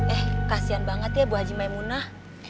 eh kasihan banget ya bu haji maemunah